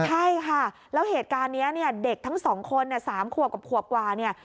ใช่ค่ะแล้วเหตุการณ์นี้เนี่ยเด็กทั้งสองคนเนี่ย๓ขวบกับขวบกว่าเนี่ย